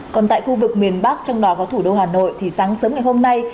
còn tại khu vực miền bắc trong đó có thủ đô hà nội thì sáng sớm ngày hôm nay